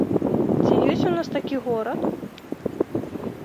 Ці ёсць у нас такі горад?